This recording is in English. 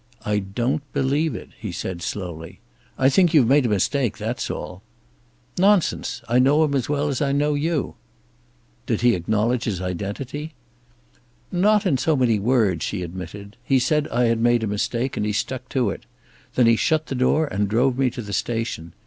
"I don't believe it," he said slowly. "I think you've made a mistake, that's all." "Nonsense. I know him as well as I know you." "Did he acknowledge his identity?" "Not in so many words," she admitted. "He said I had made a mistake, and he stuck to it. Then he shut the door and drove me to the station.